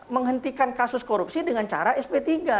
menghentikan kasus korupsi dengan cara sp tiga